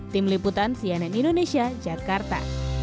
tim liputan cnn indonesia jakarta